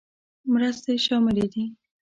مرستې شاملې دي.